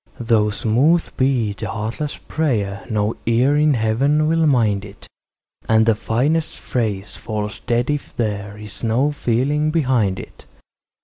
Though smooth be the heartless prayer, no ear in Heaven will mind it, And the finest phrase falls dead if there is no feeling behind it.